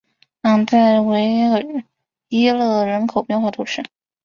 朗代维耶伊勒人口变化图示